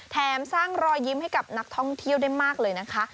สร้างรอยยิ้มให้กับนักท่องเที่ยวได้มากเลยนะคะ